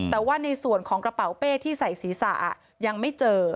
แต่ว่าในส่วนของกระเป๋าเป้ที่ใส่ศีรษะยังไม่เจอ